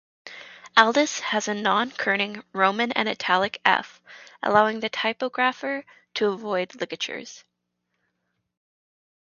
Aldus has a non-kerning roman and italic "f", allowing the typographer to avoid ligatures.